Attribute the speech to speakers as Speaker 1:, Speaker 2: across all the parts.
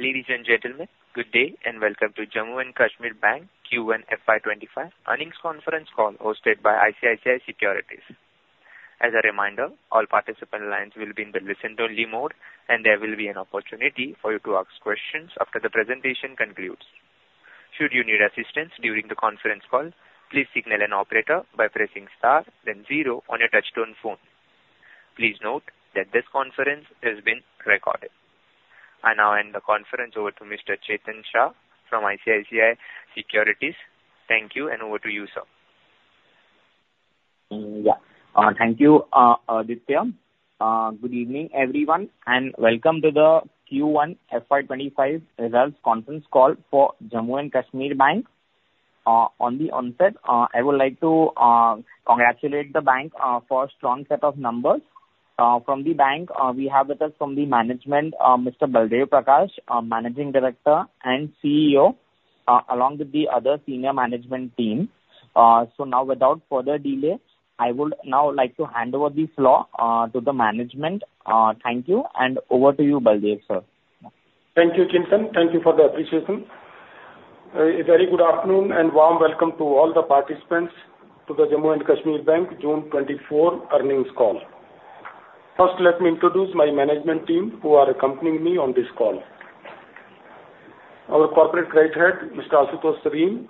Speaker 1: Ladies and gentlemen, good day, and welcome to Jammu and Kashmir Bank Q1 FY25 earnings conference call, hosted by ICICI Securities. As a reminder, all participant lines will be in the listen-only mode, and there will be an opportunity for you to ask questions after the presentation concludes. Should you need assistance during the conference call, please signal an operator by pressing Star, then Zero on your touchtone phone. Please note that this conference is being recorded. I now hand the conference over to Mr. Chetan Shah from ICICI Securities. Thank you, and over to you, sir.
Speaker 2: Yeah. Thank you, Aditya. Good evening, everyone, and welcome to the Q1 FY25 results conference call for Jammu and Kashmir Bank. On the onset, I would like to congratulate the bank for a strong set of numbers. From the bank, we have with us from the management, Mr. Baldev Prakash, our Managing Director and CEO, along with the other senior management team. So now, without further delay, I would now like to hand over this floor to the management. Thank you, and over to you, Baldev, sir.
Speaker 3: Thank you, Chetan. Thank you for the appreciation. A very good afternoon, and warm welcome to all the participants to the Jammu and Kashmir Bank, June 24 earnings call. First, let me introduce my management team who are accompanying me on this call. Our Corporate Credit Head, Mr. Ashutosh Sareen,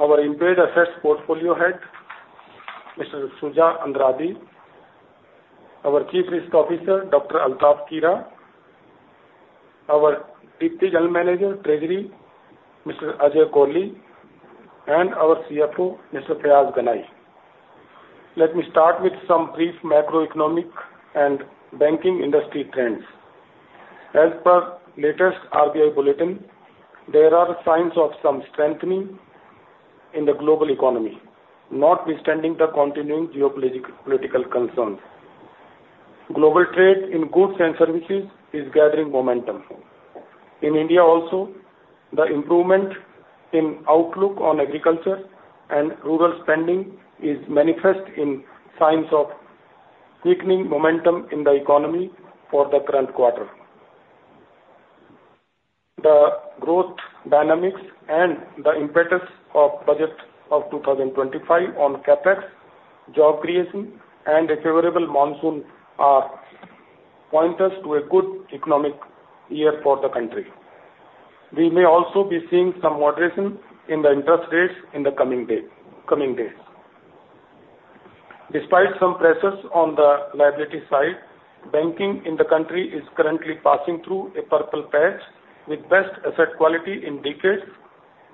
Speaker 3: our Impaired Assets Portfolio Head, Mr Shujaat Andrabi., our Chief Risk Officer, Dr. Altaf Kira, our Deputy General Manager, Treasury, Mr. Ajay Kohli, and our CFO, Mr. Fayaz Ganai. Let me start with some brief macroeconomic and banking industry trends. As per latest RBI bulletin, there are signs of some strengthening in the global economy, notwithstanding the continuing geopolitical concerns. Global trade in goods and services is gathering momentum. In India also, the improvement in outlook on agriculture and rural spending is manifest in signs of weakening momentum in the economy for the current quarter. The growth dynamics and the impetus of budget of 2025 on CapEx, job creation, and a favorable monsoon point us to a good economic year for the country. We may also be seeing some moderation in the interest rates in the coming day, coming days. Despite some pressures on the liability side, banking in the country is currently passing through a purple patch with best asset quality in decades,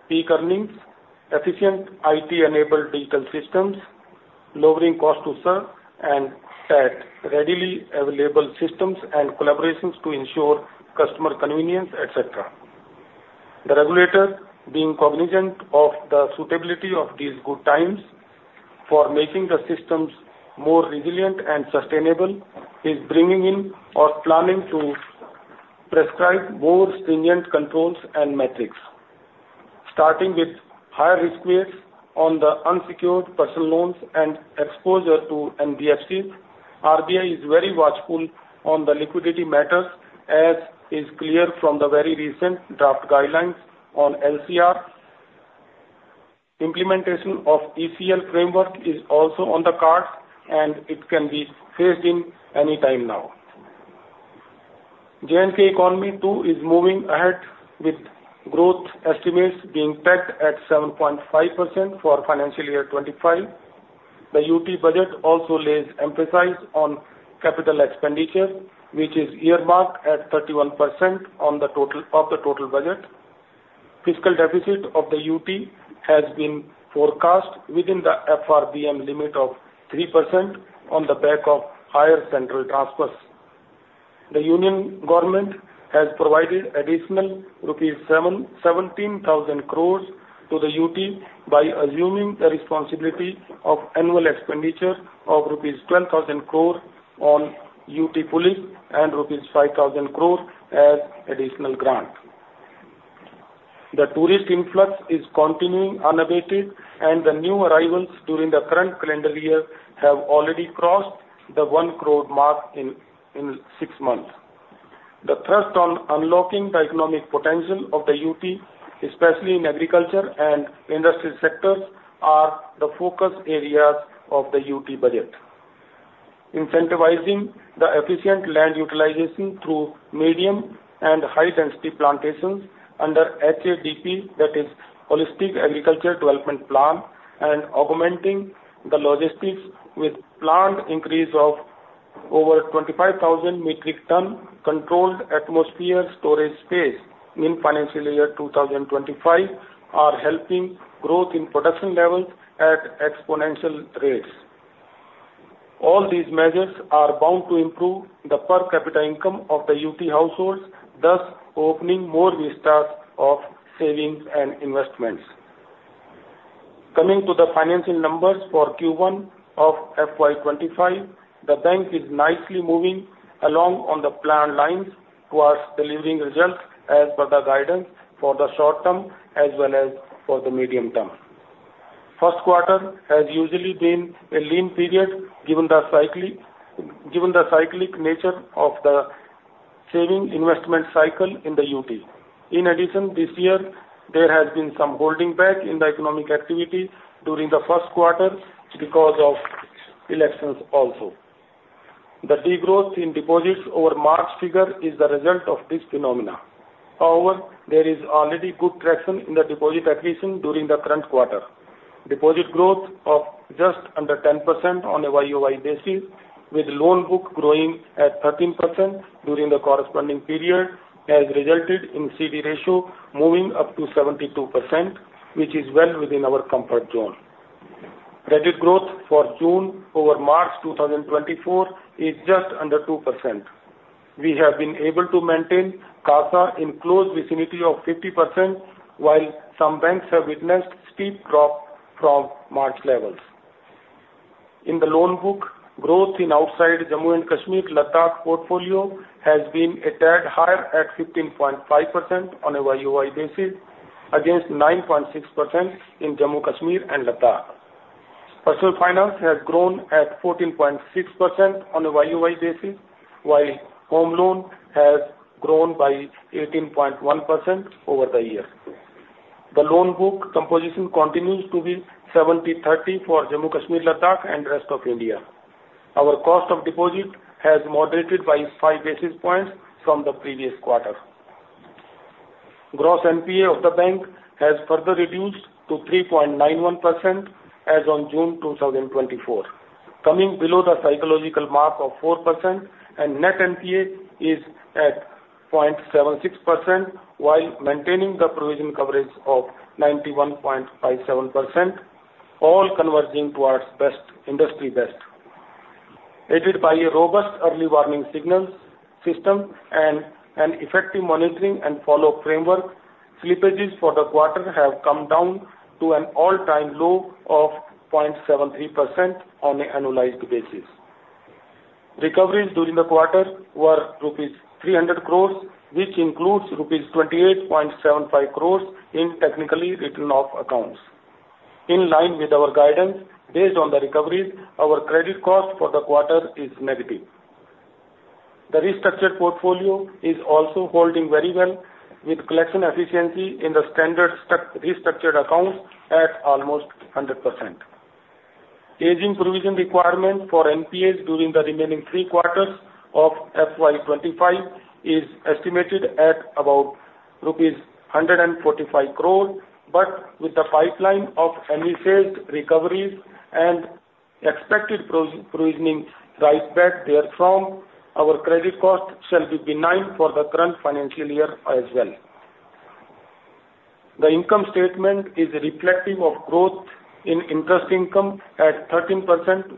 Speaker 3: peak earnings, efficient IT-enabled digital systems, lowering cost to serve, and readily available systems and collaborations to ensure customer convenience, et cetera. The regulator, being cognizant of the suitability of these good times for making the systems more resilient and sustainable, is bringing in or planning to prescribe more stringent controls and metrics. Starting with higher risk weights on the unsecured personal loans and exposure to NBFCs, RBI is very watchful on the liquidity matters, as is clear from the very recent draft guidelines on LCR. Implementation of ECL framework is also on the cards, and it can be faced in any time now. J&K economy, too, is moving ahead, with growth estimates being pegged at 7.5% for financial year 2025. The UT budget also lays emphasis on capital expenditure, which is earmarked at 31% on the total, of the total budget. Fiscal deficit of the UT has been forecast within the FRBM limit of 3% on the back of higher central transfers. The Union Government has provided additional rupees 717,000 crore to the UT by assuming the responsibility of annual expenditure of rupees 10,000 crore on UT police and rupees 5,000 crore as additional grant. The tourist influx is continuing unabated, and the new arrivals during the current calendar year have already crossed the one crore mark in six months. The thrust on unlocking the economic potential of the UT, especially in agriculture and industrial sectors, are the focus areas of the UT budget. Incentivizing the efficient land utilization through medium and high-density plantations under HADP, that is Holistic Agriculture Development Plan, and augmenting the logistics with planned increase of over 25,000 metric tons controlled atmosphere storage space in financial year 2025, are helping growth in production levels at exponential rates. All these measures are bound to improve the per capita income of the UT households, thus opening more vistas of savings and investments. Coming to the financial numbers for Q1 of FY25, the bank is nicely moving along on the planned lines towards delivering results as per the guidance for the short term as well as for the medium term. First quarter has usually been a lean period, given the cyclic nature of the saving investment cycle in the UT. In addition, this year there has been some holding back in the economic activity during the first quarter because of elections also. The degrowth in deposits over March figure is the result of this phenomenon. However, there is already good traction in the deposit acquisition during the current quarter. Deposit growth of just under 10% on a YOY basis, with loan book growing at 13% during the corresponding period, has resulted in CD ratio moving up to 72%, which is well within our comfort zone. Credit growth for June over March 2024 is just under 2%. We have been able to maintain CASA in close vicinity of 50%, while some banks have witnessed steep drop from March levels. In the loan book, growth in outside Jammu and Kashmir, Ladakh portfolio has been a tad higher at 15.5% on a YOY basis, against 9.6% in Jammu, Kashmir and Ladakh. Personal finance has grown at 14.6% on a YOY basis, while home loan has grown by 18.1% over the year. The loan book composition continues to be 70/30 for Jammu, Kashmir, Ladakh and rest of India. Our cost of deposit has moderated by five basis points from the previous quarter. Gross NPA of the bank has further reduced to 3.91% as on June 2024, coming below the psychological mark of 4%, and net NPA is at 0.76%, while maintaining the provision coverage of 91.57%, all converging towards best, industry best. Aided by a robust early warning signals system and an effective monitoring and follow-up framework, slippages for the quarter have come down to an all-time low of 0.73% on an annualized basis. Recoveries during the quarter were rupees 300 crores, which includes rupees 28.75 crores in technically written-off accounts. In line with our guidance based on the recoveries, our credit cost for the quarter is negative. The restructured portfolio is also holding very well, with collection efficiency in the standard restructured accounts at almost 100%. Aging provision requirement for NPAs during the remaining three quarters of FY 2025 is estimated at about rupees 145 crore, but with the pipeline of any failed recoveries and expected provisioning write back therefrom, our credit cost shall be benign for the current financial year as well. The income statement is reflective of growth in interest income at 13%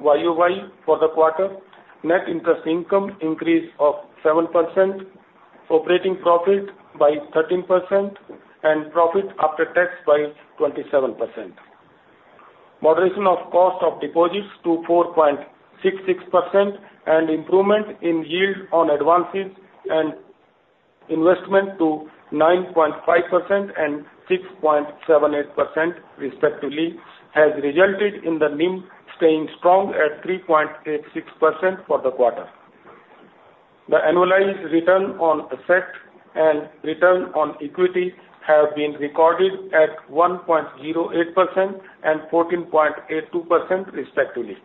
Speaker 3: YOY for the quarter, net interest income increase of 7%, operating profit by 13% and profit after tax by 27%. Moderation of cost of deposits to 4.66% and improvement in yield on advances and investment to 9.5% and 6.78% respectively, has resulted in the NIM staying strong at 3.86% for the quarter. The annualized return on asset and return on equity have been recorded at 1.08% and 14.82% respectively.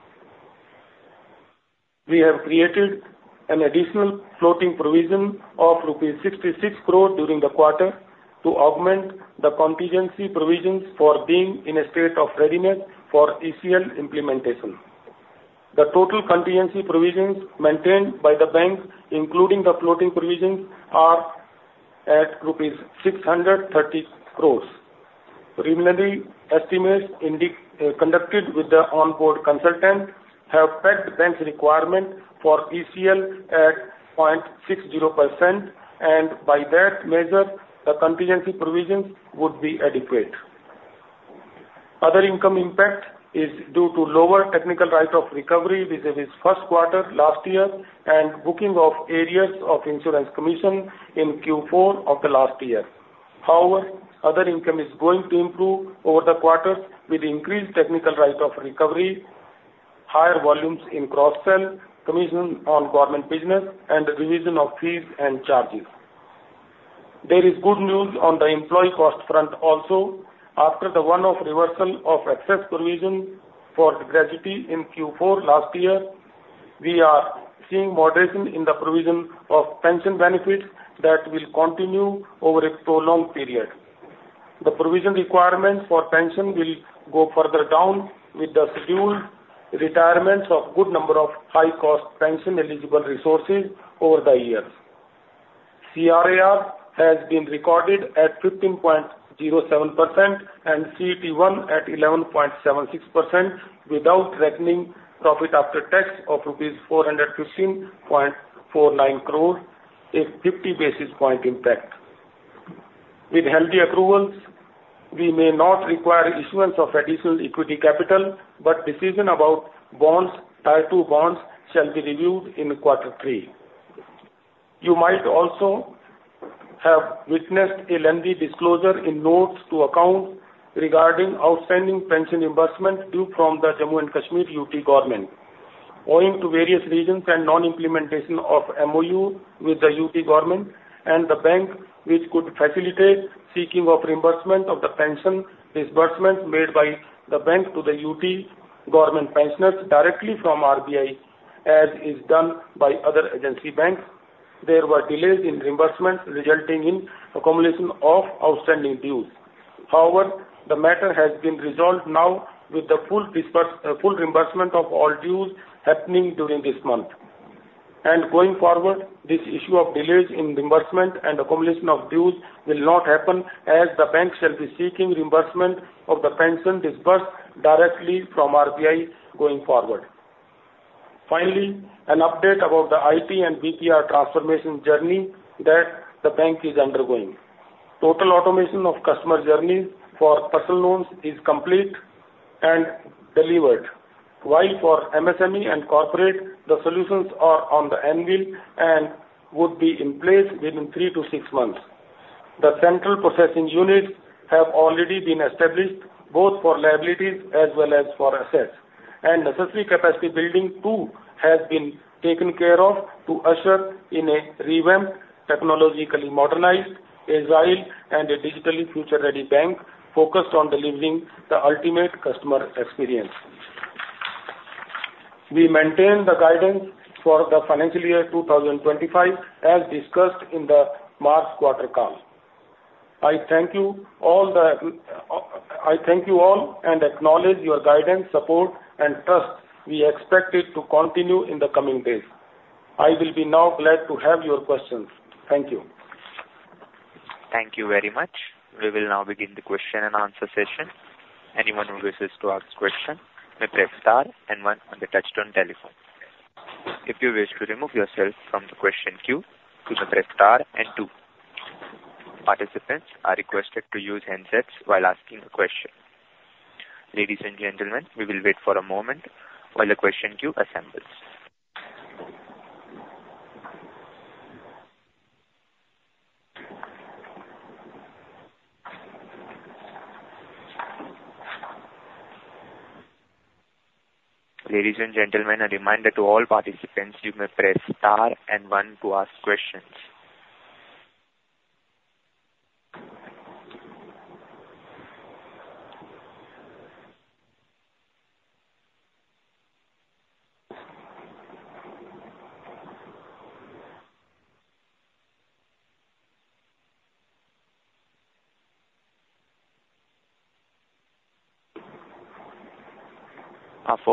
Speaker 3: We have created an additional floating provision of rupees 66 crore during the quarter to augment the contingency provisions for being in a state of readiness for ECL implementation. The total contingency provisions maintained by the bank, including the floating provisions, are at INR 630 crore. Preliminary estimates conducted with the onboard consultant have pegged the bank's requirement for ECL at 0.60%, and by that measure, the contingency provisions would be adequate. Other income impact is due to lower technical rate of recovery vis-a-vis first quarter last year, and booking of areas of insurance commission in Q4 of the last year. However, other income is going to improve over the quarters with increased technical rate of recovery, higher volumes in cross-sell, commission on government business, and the revision of fees and charges. There is good news on the employee cost front also. After the one-off reversal of excess provision for gratuity in Q4 last year, we are seeing moderation in the provision of pension benefits that will continue over a prolonged period. The provision requirement for pension will go further down with the scheduled retirements of good number of high-cost pension-eligible resources over the years. CRAR has been recorded at 15.07% and CET1 at 11.76%, without reckoning profit after tax of rupees 415.49 crore, a 50 basis point impact. With healthy approvals, we may not require issuance of additional equity capital, but decision about bonds, Tier 2 Bonds, shall be reviewed in quarter three. You might also have witnessed a lengthy disclosure in notes to account regarding outstanding pension reimbursement due from the Jammu and Kashmir UT Government. Owing to various reasons and non-implementation of MOU with the UT Government and the bank, which could facilitate seeking of reimbursement of the pension disbursement made by the bank to the UT Government pensioners directly from RBI, as is done by other agency banks. There were delays in reimbursement, resulting in accumulation of outstanding dues. However, the matter has been resolved now with the full reimbursement of all dues happening during this month. And going forward, this issue of delays in reimbursement and accumulation of dues will not happen, as the bank shall be seeking reimbursement of the pension disbursed directly from RBI going forward. Finally, an update about the IT and BPR transformation journey that the bank is undergoing. Total automation of customer journey for personal loans is complete and delivered, while for MSME and corporate, the solutions are on the anvil and would be in place within three-six months. The central processing units have already been established, both for liabilities as well as for assets, and necessary capacity building, too, has been taken care of to usher in a revamped, technologically modernized, agile, and a digitally future-ready bank focused on delivering the ultimate customer experience. We maintain the guidance for the financial year 2025, as discussed in the March quarter call. I thank you all and acknowledge your guidance, support, and trust. We expect it to continue in the coming days. I will be now glad to have your questions. Thank you.
Speaker 1: Thank you very much. We will now begin the question and answer session. Anyone who wishes to ask question, may press star and one on the touchtone telephone. If you wish to remove yourself from the question queue, please press star and two. Participants are requested to use handsets while asking a question. Ladies and gentlemen, we will wait for a moment while the question queue assembles. Ladies and gentlemen, a reminder to all participants, you may press star and one to ask questions.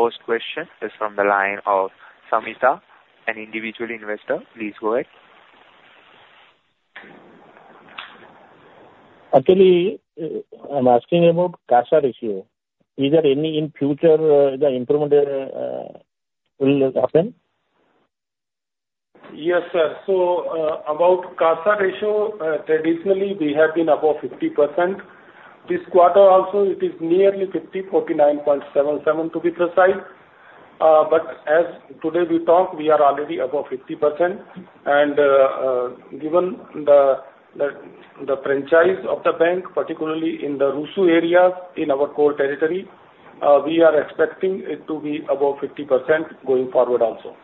Speaker 1: Our first question is from the line of Samita, an individual investor. Please go ahead.
Speaker 4: Actually, I'm asking about CASA ratio. Is there any in future, will happen?
Speaker 3: Yes, sir. About CASA ratio, traditionally we have been above 50%. This quarter also, it is nearly 50%, 49.77%, to be precise. As today we talk, we are already above 50%. Given the franchise of the bank, particularly in the RUSU areas in our core territory, we are expecting it to be above 50% going forward also.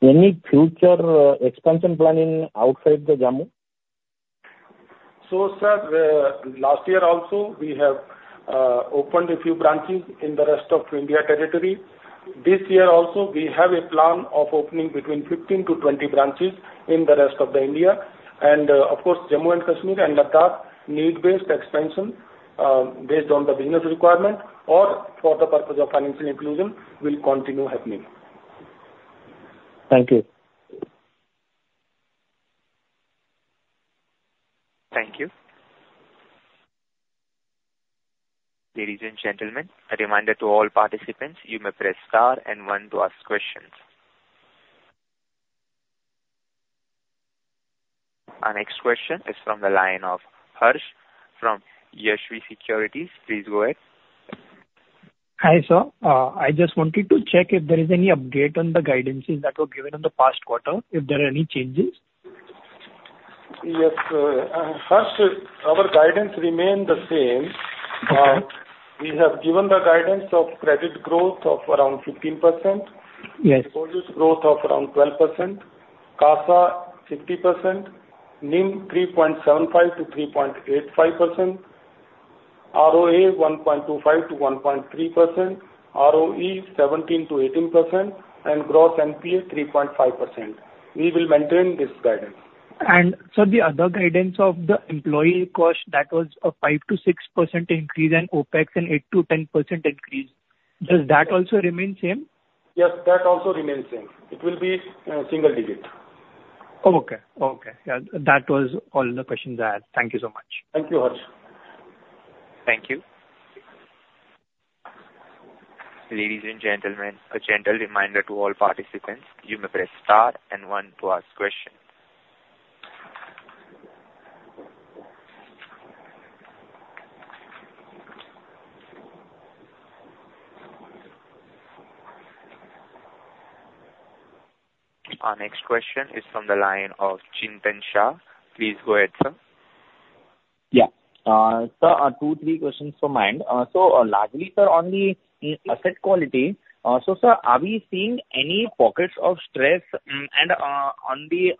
Speaker 4: Any future expansion planning outside the Jammu?
Speaker 3: So, sir, last year also, we have opened a few branches in the rest of India territory. This year also, we have a plan of opening between 15-20 branches in the rest of the India. And, of course, Jammu and Kashmir and Ladakh need-based expansion, based on the business requirement or for the purpose of financial inclusion, will continue happening.
Speaker 4: Thank you.
Speaker 1: Thank you. Ladies and gentlemen, a reminder to all participants, you may press star and one to ask questions. Our next question is from the line of Harsh, from Yashvi Securities. Please go ahead.
Speaker 5: Hi, sir. I just wanted to check if there is any update on the guidances that were given in the past quarter, if there are any changes?
Speaker 3: Yes. First, our guidance remain the same.
Speaker 5: Okay.
Speaker 3: We have given the guidance of credit growth of around 15%.
Speaker 5: Yes.
Speaker 3: Volume growth of around 12%, CASA 50%, NIM 3.75%-3.85%, ROA 1.25%-1.3%, ROE 17%-18%, and gross NPA 3.5%. We will maintain this guidance.
Speaker 5: So the other guidance of the employee cost, that was a 5%-6% increase and OpEx, an 8%-10% increase. Does that also remain same?
Speaker 3: Yes, that also remains same. It will be, single digit.
Speaker 5: Okay. Okay. Yeah, that was all the questions I had. Thank you so much.
Speaker 3: Thank you, Harsh.
Speaker 1: Thank you. Ladies and gentlemen, a gentle reminder to all participants, you may press star and one to ask question. Our next question is from the line of Chetan Shah. Please go ahead, sir.
Speaker 2: Yeah. Sir, two, three questions from mine. So largely, sir, on the asset quality, so sir, are we seeing any pockets of stress, and on the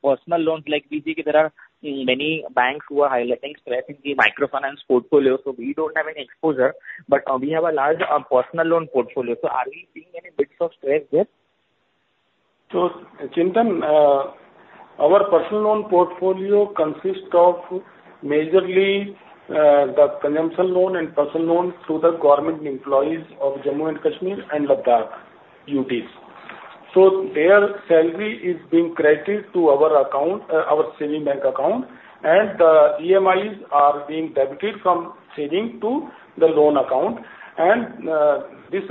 Speaker 2: personal loans, like we see that there are many banks who are highlighting stress in the microfinance portfolio, so we don't have any exposure, but we have a large personal loan portfolio. So are we seeing any bits of stress there?
Speaker 3: So Chetan, our personal loan portfolio consists of majorly, the consumption loan and personal loan to the government employees of Jammu and Kashmir and Ladakh UTs. Their salary is being credited to our account, our savings bank account, and the EMIs are being debited from saving to the loan account. This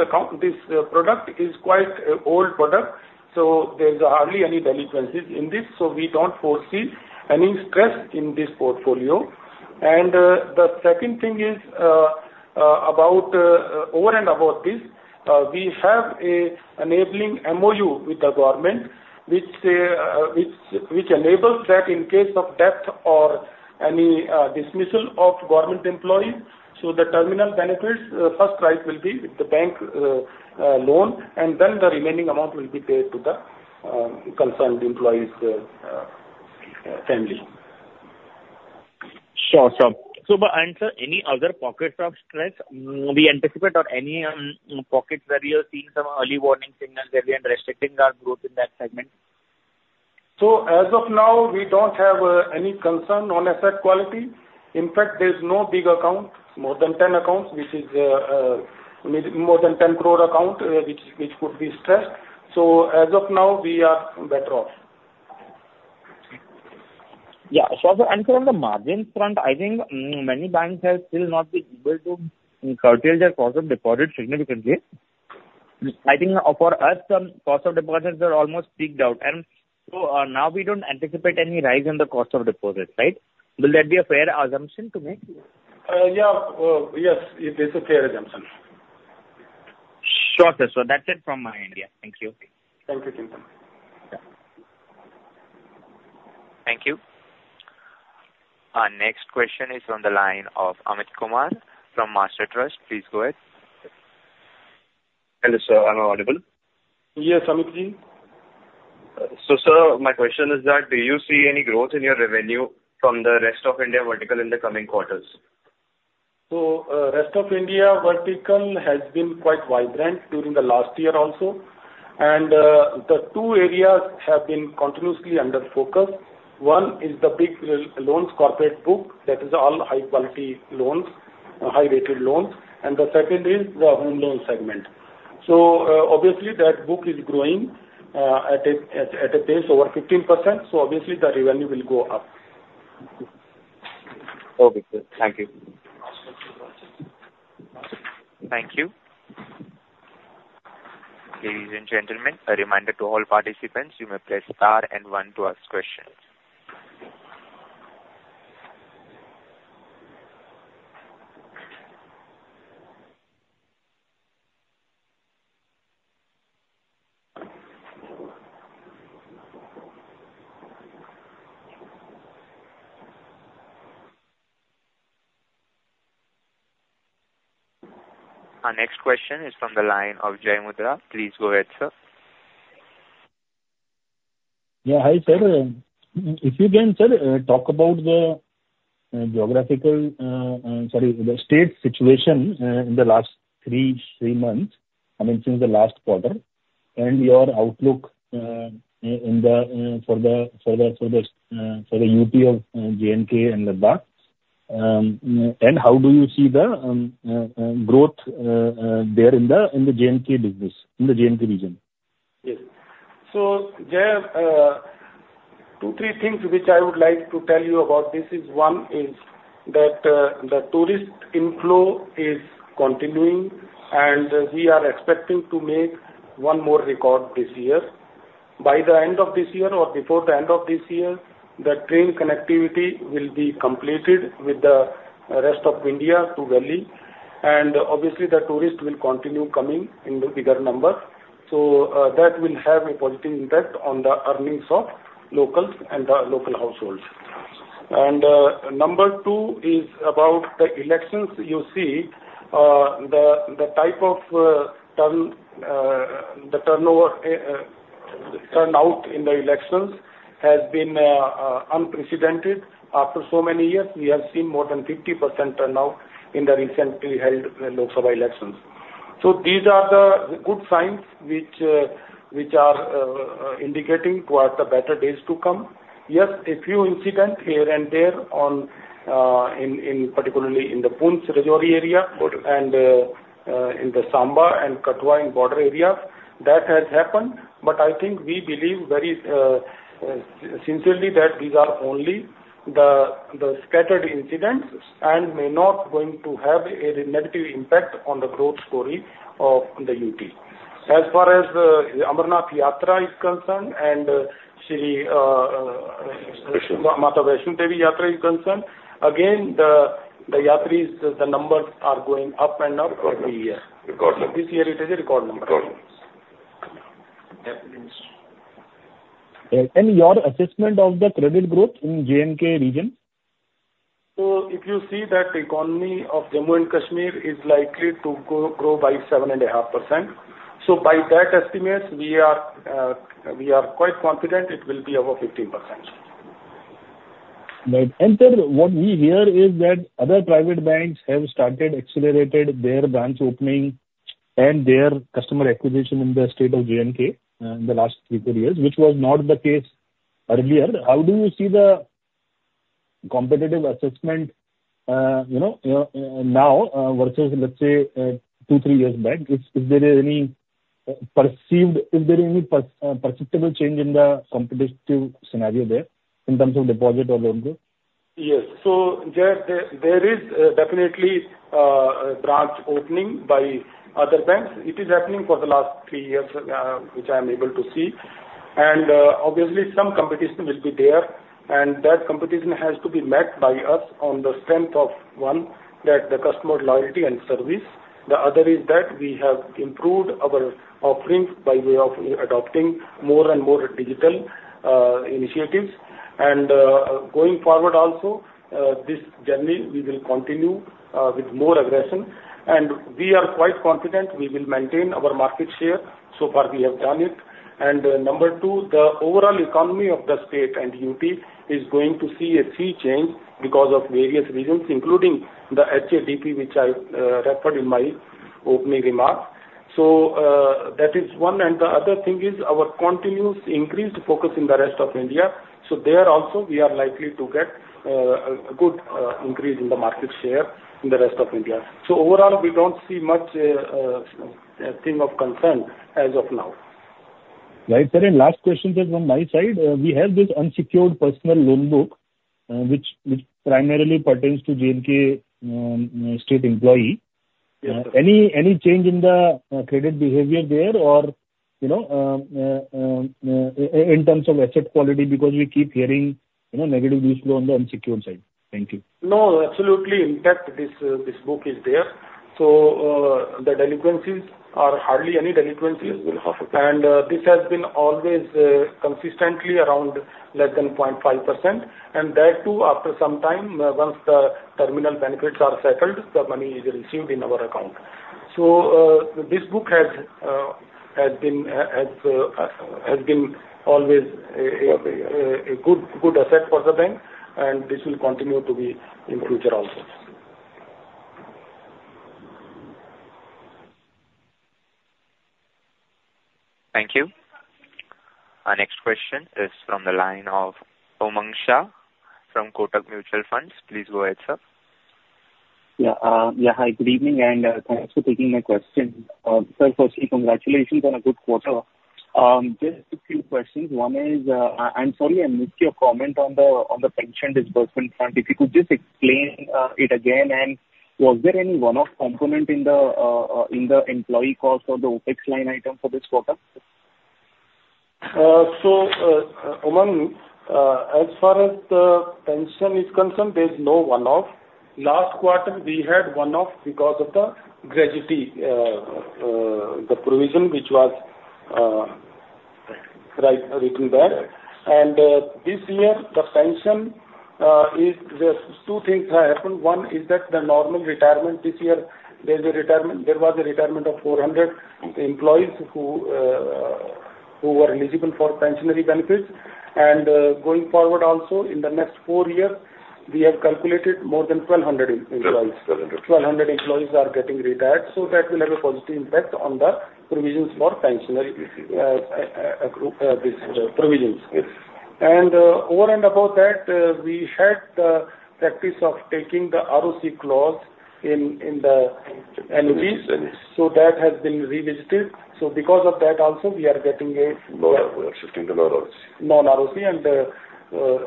Speaker 3: product is quite old product, so there's hardly any delinquencies in this, so we don't foresee any stress in this portfolio. And, the second thing is, about over and above this, we have a enabling MOU with the government, which enables that in case of death or any dismissal of government employee, so the terminal benefits first right will be with the bank loan, and then the remaining amount will be paid to the concerned employee's family.
Speaker 2: Sure, sir. So, sir, any other pockets of stress we anticipate or any pockets where you are seeing some early warning signals where we are restricting our growth in that segment?
Speaker 3: So as of now, we don't have any concern on asset quality. In fact, there's no big account, more than 10 accounts, which is maybe more than 10 crore account, which could be stressed. So as of now, we are better off.
Speaker 2: Yeah. So, and from the margin front, I think, many banks have still not been able to curtail their cost of deposits significantly. I think for us, cost of deposits are almost peaked out. And so, now we don't anticipate any rise in the cost of deposits, right? Will that be a fair assumption to make?
Speaker 3: Yeah. Yes, it is a fair assumption.
Speaker 2: Sure, sir. So that's it from my end. Yeah. Thank you.
Speaker 3: Thank you, Chetan.
Speaker 2: Yeah.
Speaker 1: Thank you. Our next question is on the line of Amit Kumar from MasterTrust. Please go ahead.
Speaker 6: Hello, sir. Am I audible?
Speaker 3: Yes, Amit.
Speaker 6: So, sir, my question is that, do you see any growth in your revenue from the rest of India vertical in the coming quarters?
Speaker 3: So, rest of India vertical has been quite vibrant during the last year also, and the two areas have been continuously under focus. One is the big loans, corporate book, that is all high-quality loans, high-rated loans, and the second is the home loan segment. So, obviously, that book is growing at a pace over 15%, so obviously the revenue will go up.
Speaker 6: Okay, sir. Thank you.
Speaker 1: Thank you. Ladies and gentlemen, a reminder to all participants, you may press star and one to ask questions. Our next question is from the line of Jai Mundra. Please go ahead, sir.
Speaker 7: Yeah, hi, sir. If you can, sir, talk about the geographical, sorry, the state situation in the last three months, I mean since the last quarter, and your outlook in the UT of J&K and Ladakh, and how do you see the growth there in the J&K business, in the J&K region?
Speaker 3: Yes. So, Jay, two, three things which I would like to tell you about this is, one, is that, the tourist inflow is continuing, and we are expecting to make one more record this year. By the end of this year or before the end of this year, the train connectivity will be completed with the rest of India to Delhi, and obviously the tourists will continue coming in the bigger number. So, that will have a positive impact on the earnings of locals and the local households. And, number two is about the elections. You see, the, the type of turnout in the elections has been unprecedented. After so many years, we have seen more than 50% turnout in the recently held Lok Sabha elections. So these are the good signs which, which are, indicating towards the better days to come. Yes, a few incident here and there on, in, in particularly in the Poonch-Rajouri area, but... and, in the Samba and Kathua in border area, that has happened, but I think we believe very, sincerely that these are only the, the scattered incidents and may not going to have a negative impact on the growth story of the UT.... As far as the Amarnath Yatra is concerned and Sri Mata Vaishno Devi Yatra is concerned, again, the, the yatris, the numbers are going up and up every year.
Speaker 1: Record.
Speaker 3: This year it is a record number.
Speaker 1: Record.
Speaker 7: And your assessment of the credit growth in J&K region?
Speaker 3: So if you see that the economy of Jammu and Kashmir is likely to go, grow by 7.5%, so by that estimates, we are quite confident it will be above 15%.
Speaker 7: Right. And sir, what we hear is that other private banks have started accelerated their branch opening and their customer acquisition in the state of J&K in the last three, four years, which was not the case earlier. How do you see the competitive assessment, you know, now versus, let's say, two, three years back? Is, is there any perceived- is there any perceptible change in the competitive scenario there in terms of deposit or loan growth?
Speaker 3: Yes. So, yeah, there, there is definitely a branch opening by other banks. It is happening for the last three years, which I am able to see. And, obviously some competition will be there, and that competition has to be met by us on the strength of, one, that the customer loyalty and service. The other is that we have improved our offerings by way of adopting more and more digital initiatives. And, going forward also, this journey, we will continue with more aggression. And we are quite confident we will maintain our market share. So far, we have done it. And, number two, the overall economy of the state and UT is going to see a sea change because of various reasons, including the HADP, which I referred in my opening remarks. So, that is one, and the other thing is our continuous increased focus in the rest of India. So there also, we are likely to get a good increase in the market share in the rest of India. So overall, we don't see much a thing of concern as of now.
Speaker 7: Right, sir. And last question, sir, from my side. We have this unsecured personal loan book, which primarily pertains to J&K state employee.
Speaker 3: Yes, sir.
Speaker 7: Any change in the credit behavior there, or, you know, in terms of asset quality? Because we keep hearing, you know, negative news flow on the unsecured side. Thank you.
Speaker 3: No, absolutely. In fact, this book is there, so, the delinquencies are hardly any delinquencies.
Speaker 1: Yes.
Speaker 3: This has been always consistently around less than 0.5%, and that, too, after some time, once the terminal benefits are settled, the money is received in our account. So, this book has been always a good asset for the bank, and this will continue to be in future also.
Speaker 7: Thank you.
Speaker 1: Our next question is from the line of Umang Shah from Kotak Mutual Fund. Please go ahead, sir.
Speaker 8: Yeah. Yeah, hi, good evening, and, thanks for taking my question. Sir, firstly, congratulations on a good quarter. Just a few questions. One is, I'm sorry I missed your comment on the pension disbursement front. If you could just explain it again, and was there any one-off component in the employee cost or the OpEx line item for this quarter?
Speaker 3: So, Umang, as far as the pension is concerned, there's no one-off. Last quarter, we had one-off because of the gratuity, the provision, which was written back. And, this year, the pension is. There are two things have happened. One is that the normal retirement this year, there is a retirement, there was a retirement of 400 employees who were eligible for pensionary benefits. And, going forward, also, in the next four years, we have calculated more than 1,200 employees.
Speaker 1: 1,200.
Speaker 3: 1,200 employees are getting retired, so that will have a positive impact on the provisions for pensionary provisions.
Speaker 1: Yes.
Speaker 3: And, over and above that, we had the practice of taking the ROC clause in the NPS.
Speaker 1: Yes.
Speaker 3: So that has been revisited. So because of that, also, we are getting a-
Speaker 9: Lower. We are shifting to non-ROC.
Speaker 3: Non-ROC and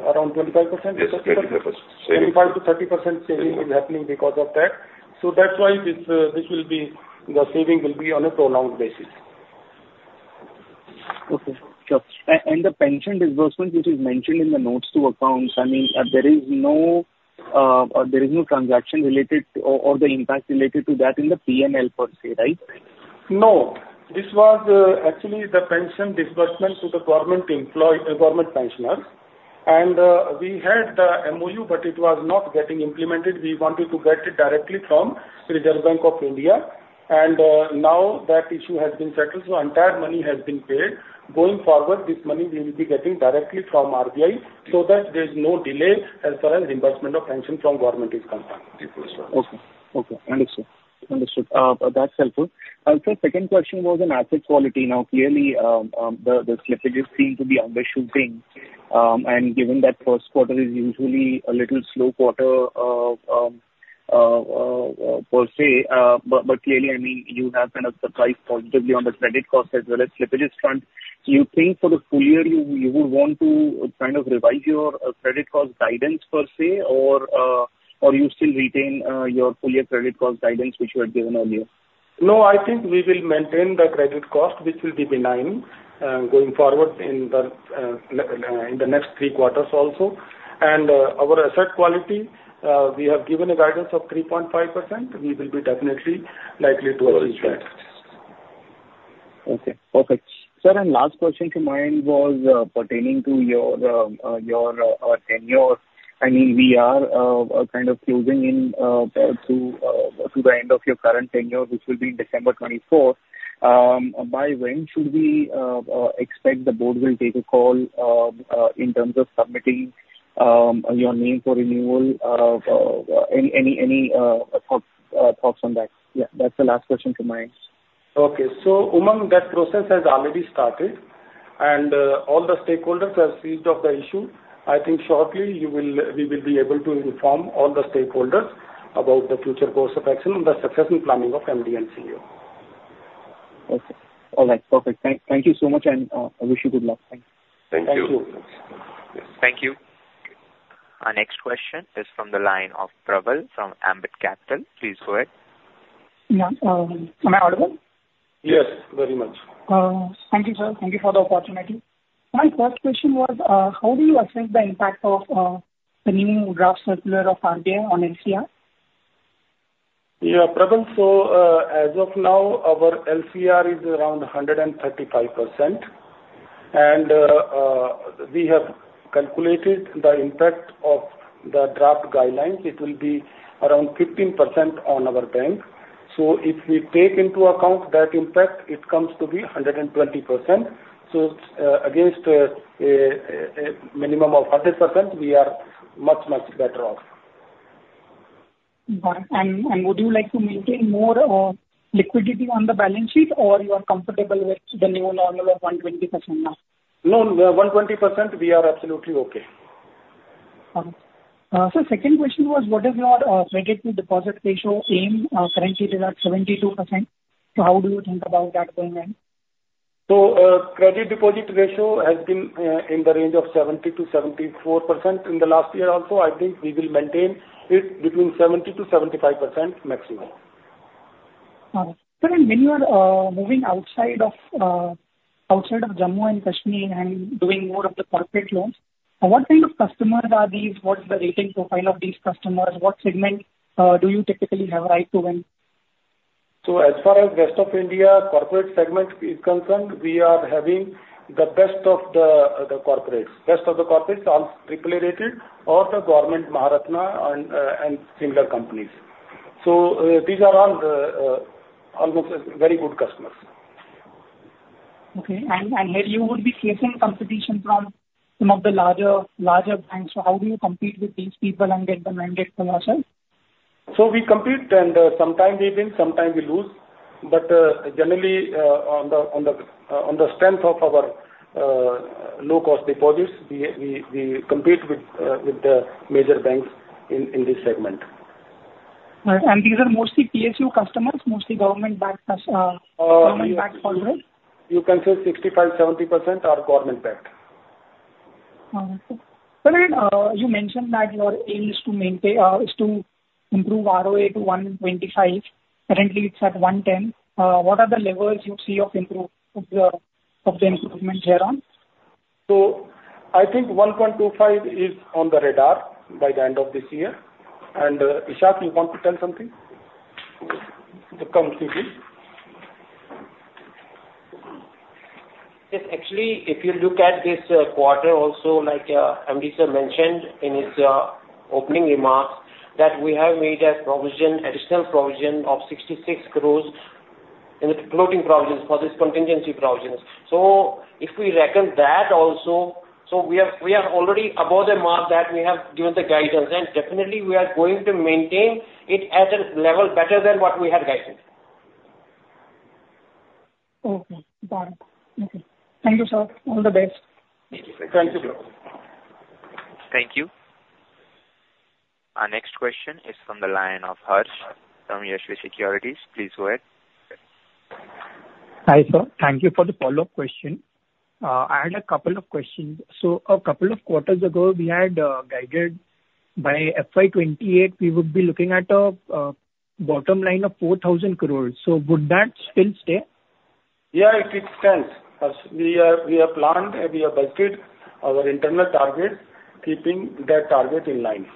Speaker 3: around 25%?
Speaker 1: Yes, 25%.
Speaker 3: 25%-30% saving is happening because of that. So that's why this, this will be, the saving will be on a prolonged basis.
Speaker 8: Okay, sure. And the pension disbursement, which is mentioned in the notes to accounts, I mean, there is no transaction related or the impact related to that in the PNL per se, right?
Speaker 3: No. This was, actually, the pension disbursement to the government pensioners. We had the MOU, but it was not getting implemented. We wanted to get it directly from Reserve Bank of India, and now that issue has been settled, so entire money has been paid. Going forward, this money we will be getting directly from RBI so that there is no delay as far as reimbursement of pension from government is concerned.
Speaker 1: Yes.
Speaker 8: Okay. Okay, understood. Understood. But that's helpful. And sir, second question was on asset quality. Now, clearly, the slippages seem to be undershooting. And given that first quarter is usually a little slow quarter, per se, but clearly, I mean, you have kind of surprised positively on the credit cost as well as slippages front. Do you think for the full year, you would want to kind of revise your credit cost guidance per se, or you still retain your full year credit cost guidance which you had given earlier?
Speaker 3: No, I think we will maintain the credit cost, which will be benign, going forward in the next three quarters also. And, our asset quality, we have given a guidance of 3.5%. We will be definitely likely to achieve that.
Speaker 8: Okay, perfect. Sir, and last question to mind was, pertaining to your tenure. I mean, we are kind of closing in to the end of your current tenure, which will be December 24th. By when should we expect the board will take a call in terms of submitting your name for renewal? Any thoughts on that? Yeah, that's the last question to mind.
Speaker 3: Okay. So Umang, that process has already started, and all the stakeholders are seized of the issue. I think shortly we will be able to inform all the stakeholders about the future course of action and the success and planning of MD and CEO.
Speaker 8: Okay. All right. Perfect. Thank, thank you so much, and, I wish you good luck. Thank you.
Speaker 3: Thank you.
Speaker 1: Thank you. Our next question is from the line of Prabal from Ambit Capital. Please go ahead.
Speaker 10: Yeah, am I audible?
Speaker 3: Yes, very much.
Speaker 10: Thank you, sir. Thank you for the opportunity. My first question was, how do you assess the impact of the new draft circular of RBI on LCR?
Speaker 3: Yeah, Prabal, so, as of now, our LCR is around 135%. We have calculated the impact of the draft guidelines. It will be around 15% on our bank. So if we take into account that impact, it comes to be 120%. So, against a minimum of 30%, we are much, much better off.
Speaker 10: Got it. And, and would you like to maintain more, liquidity on the balance sheet, or you are comfortable with the new normal of 120% now?
Speaker 3: No, 120%, we are absolutely okay.
Speaker 10: Okay. So second question was: What is your credit to deposit ratio aim? Currently it is at 72%. So how do you think about that going in?
Speaker 3: Credit deposit ratio has been in the range of 70%-74%. In the last year also, I think we will maintain it between 70%-75% maximum.
Speaker 10: Sir, when you are moving outside of Jammu and Kashmir and doing more of the corporate loans, what kind of customers are these? What is the rating profile of these customers? What segment do you typically have right to win?
Speaker 3: So as far as rest of India corporate segment is concerned, we are having the best of the, the corporates. Best of the corporates, all triple A rated or the government Maharatna and, and similar companies. So, these are all, almost very good customers.
Speaker 10: Okay. Here you would be facing competition from some of the larger banks. So how do you compete with these people and get the mandate from ourselves?
Speaker 3: So we compete, and sometimes we win, sometimes we lose, but generally, on the strength of our low-cost deposits, we compete with the major banks in this segment.
Speaker 10: Right. And these are mostly PSU customers, mostly government-backed, government-backed borrowers?
Speaker 3: You can say 65%-70% are government-backed.
Speaker 10: Okay. Sir, and, you mentioned that your aim is to improve ROA to 1.25. Currently, it's at 1.10. What are the levels you see of the improvement here on?
Speaker 3: So I think 1.25 is on the radar by the end of this year. And, Ishaq, you want to tell something? The continuity.
Speaker 11: Yes. Actually, if you look at this quarter also, like, MD Sir mentioned in his opening remarks, that we have made a provision, additional provision of 66 crore in the floating provisions for this contingency provisions. So if we reckon that also, so we are, we are already above the mark that we have given the guidance, and definitely we are going to maintain it at a level better than what we had guided.
Speaker 10: Okay. Got it. Okay. Thank you, sir. All the best.
Speaker 3: Thank you.
Speaker 1: Thank you. Our next question is from the line of Harsh from Yashvi Securities. Please go ahead.
Speaker 5: Hi, sir. Thank you for the follow-up question. I had a couple of questions. So a couple of quarters ago, we had guided by FY 2028, we would be looking at a bottom line of 4,000 crore. So would that still stay?
Speaker 3: Yeah, it stands. We have planned and we have budgeted our internal target, keeping that target in line.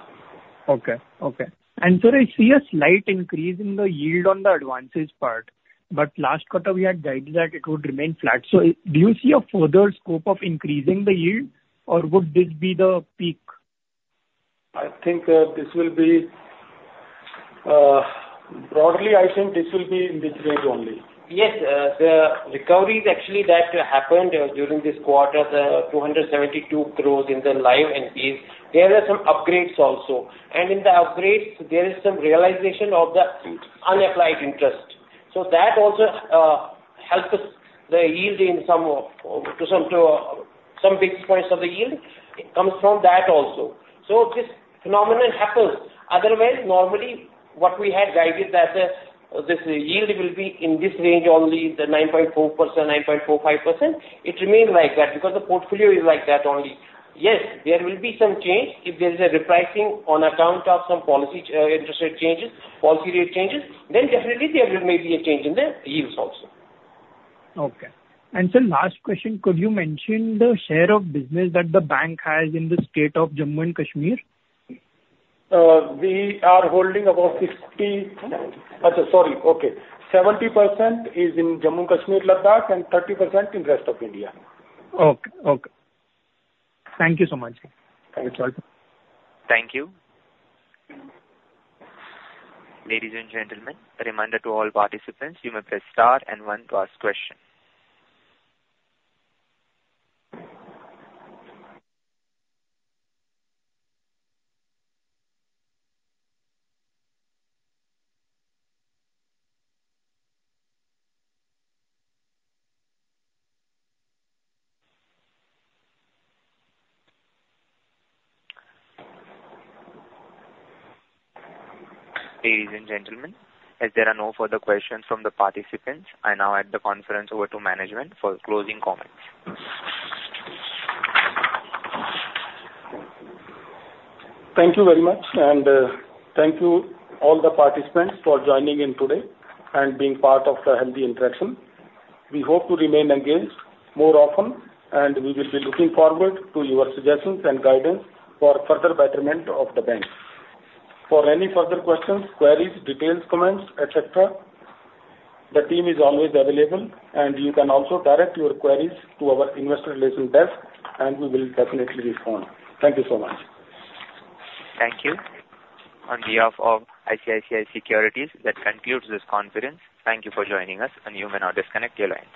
Speaker 5: Okay. Okay. And sir, I see a slight increase in the yield on the advances part, but last quarter we had guided that it would remain flat. So do you see a further scope of increasing the yield, or would this be the peak?
Speaker 3: I think this will be broadly in this range only.
Speaker 11: Yes, the recoveries actually that happened during this quarter, the 272 crore in the live NPAs, there are some upgrades also. And in the upgrades, there is some realization of the unapplied interest. So that also helps us the yield in some of to some basis points of the yield, it comes from that also. So this phenomenon happens. Otherwise, normally, what we had guided that this yield will be in this range only, the 9.4%, 9.4-9.5%. It remain like that because the portfolio is like that only. Yes, there will be some change if there is a repricing on account of some policy, interest rate changes, policy rate changes, then definitely there will may be a change in the yields also.
Speaker 5: Okay. Sir, last question, could you mention the share of business that the bank has in the state of Jammu and Kashmir?
Speaker 11: We are holding about 70% in Jammu, Kashmir, Ladakh, and 30% in rest of India.
Speaker 5: Okay. Okay. Thank you so much, sir.
Speaker 11: Thank you.
Speaker 1: Thank you. Ladies and gentlemen, a reminder to all participants, you may press star and one to ask question. Ladies and gentlemen, as there are no further questions from the participants, I now hand the conference over to management for closing comments.
Speaker 3: Thank you very much, and thank you all the participants for joining in today and being part of the healthy interaction. We hope to remain engaged more often, and we will be looking forward to your suggestions and guidance for further betterment of the bank. For any further questions, queries, details, comments, et cetera, the team is always available, and you can also direct your queries to our investor relations desk, and we will definitely respond. Thank you so much.
Speaker 1: Thank you. On behalf of ICICI Securities, that concludes this conference. Thank you for joining us, and you may now disconnect your lines.